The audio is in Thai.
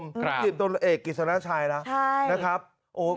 ครับครับใช่สิบตัวเอกกิษณชายละนะครับโอ้